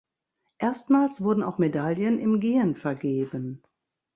Erstmals wurden auch Medaillen im Gehen vergeben.